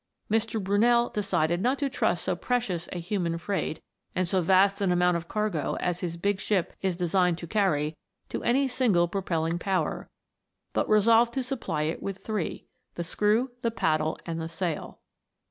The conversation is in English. Mr. Brunei decided not to trust so precious a human freight, and so vast an amount of cargo as his big ship is designed to carry to any single propelling power, but resolved to supply it with three the screw, the paddle, and the sail.